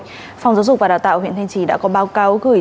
phòng giáo dục và đào tạo huyện thanh trì đã có báo cáo gửi